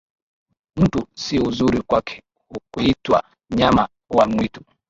Mtu si uzuri kwake, kuitwa nyama wa mwitu